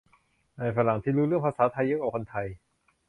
ไอ้ฝรั่งที่รู้เรื่องภาษาไทยเยอะกว่าคนไทย